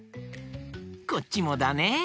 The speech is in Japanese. こっちもだね！